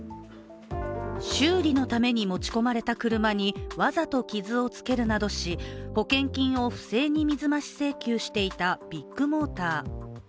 修理のために持ち込まれた車にわざと傷をつけるなどし、保険金を不正に水増し請求していたビッグモーター。